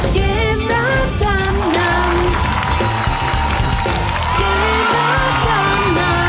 เกมรับจำนำ